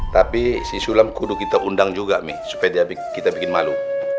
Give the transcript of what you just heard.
tapi si sulam kudu kita undang juga nih supaya kita bikin malu